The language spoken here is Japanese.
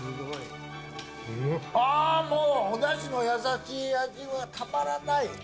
あーもう、おだしの優しい味はたまらない。